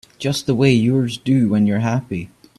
Just the way yours do when you're happy.